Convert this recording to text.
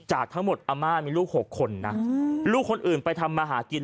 จากทั้งหมดอาม่ามีลูก๖คนนะลูกคนอื่นไปทำมาหากิน